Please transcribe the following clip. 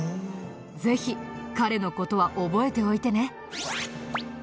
ぜひ彼の事は覚えておいてね。